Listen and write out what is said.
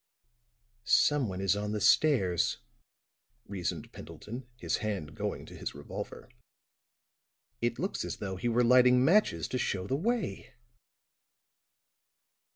"Someone is on the stairs," reasoned Pendleton, his hand going to his revolver. "It looks as though he were lighting matches to show the way."